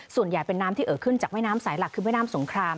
ส่วนใหญ่เป็นน้ำที่เอ่อขึ้นจากแม่น้ำสายหลักคือแม่น้ำสงคราม